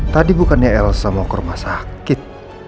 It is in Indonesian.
tadi bukannya elsa mau ke rumah sakit